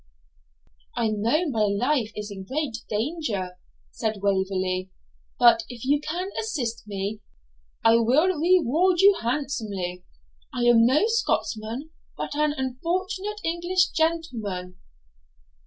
'I know my life is in great danger,' said Waverley, 'but if you can assist me, I will reward you handsomely. I am no Scotchman, but an unfortunate English gentleman.'